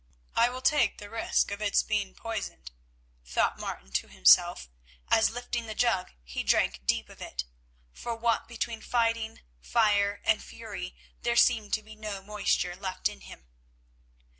"I will take the risk of its being poisoned," thought Martin to himself, as lifting the jug he drank deep of it, for what between fighting, fire and fury there seemed to be no moisture left in him.